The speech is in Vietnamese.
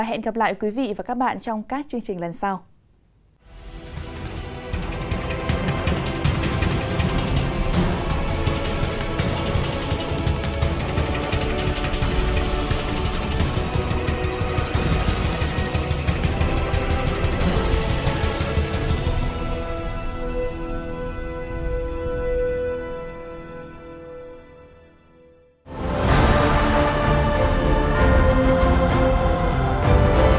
hẹn gặp lại các bạn trong các chương trình lần sau